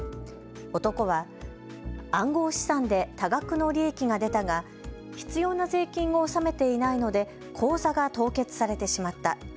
男は暗号資産で多額の利益が出たが必要な税金を納めていないので口座が凍結されてしまった。